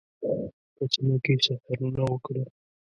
په سیمه کې سفرونه وکړل.